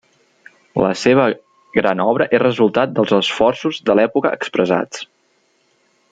La seva gran obra és resultat dels esforços de l'època expressats.